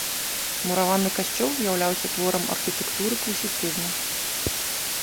Мураваны касцёл з'яўляўся творам архітэктуры класіцызму.